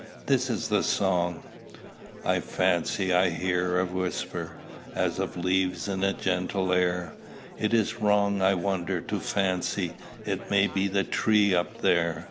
This is the song: "I fancy I hear a whisper As of leaves in a gentle air: Is it wrong, I wonder, to fancy It may be the tree up there?